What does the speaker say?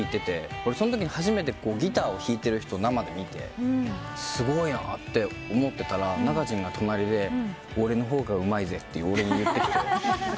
俺そのときに初めてギターを弾いてる人を生で見てすごいなって思ってたらＮａｋａｊｉｎが隣で「俺の方がうまいぜ」って俺に言ってきて。